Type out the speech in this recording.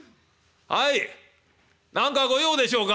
はい何か御用でしょうか？」。